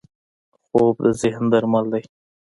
خوب د ذهن درمل دی